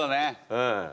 うん。